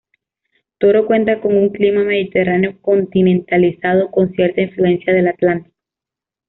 Toro cuenta con un clima mediterráneo continentalizado con cierta influencia del Atlántico.